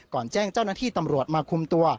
แจ้งเจ้าหน้าที่ตำรวจมาคุมตัว